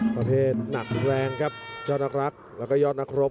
ประเภทหนักแรงครับยอดนักรักแล้วก็ยอดนักรบ